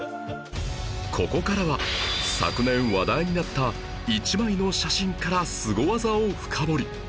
ここからは昨年話題になった一枚の写真からスゴ技を深掘り